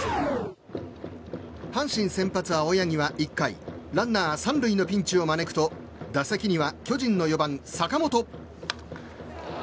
阪神先発、青柳は１回ランナー３塁のピンチを招くと打席には巨人の４番、坂本。